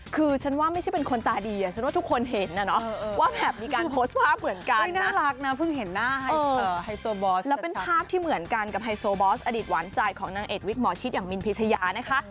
คืออ่๑๔๑แล้วเป็นภาพที่เหมือนกันกับไฮโซ่บอสอดิตหวานจ่ายของนางเอกวิกหมอชิดแบบมิลพิชชานะคะ